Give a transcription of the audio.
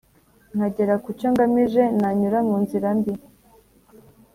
nkagera kucyo ngamije nanyura munzira mbi